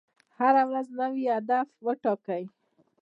هره ورځ نوی هدف وټاکئ.